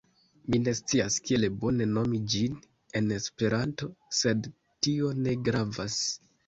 Mi ne scias kiel bone nomi ĝin en Esperanto, sed tio ne gravas.